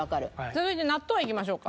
続いて納豆いきましょうか。